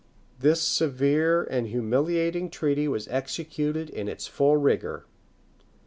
[] {1175.} This severe and humiliating treaty was executed in its full rigor.